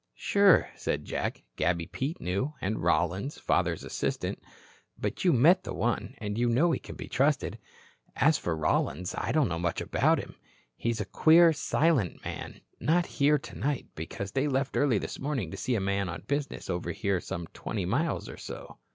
"Sure," said Jack, "Gabby Pete knew. And Rollins, father's assistant. But you met the one, and you know he can be trusted. As for Rollins, I don't know much about him. He's a queer, silent man. Not here tonight, because he left early this morning to see a man on business over here some twenty miles or so.